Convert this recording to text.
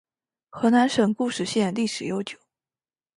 河南省固始县历史悠久